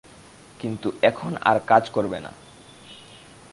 কিন্তু এখন আর কাজ করবে না।